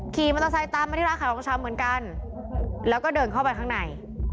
ขี่มอเตอร์ไซค์ตามมาที่ร้านขายของชำเหมือนกันแล้วก็เดินเข้าไปข้างใน